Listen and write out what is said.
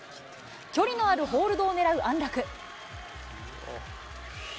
距離のあるホールドを狙う安楽。